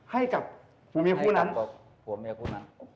ให้กับผู้เมียผู้นั้น